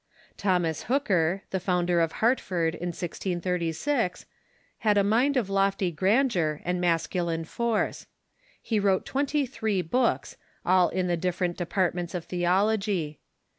Thomas Hooker, the founder of Hartford in 1636, had a mind of lofty grandeur and masculine force. He wrote twenty three books, all in the different departments of theol ogy.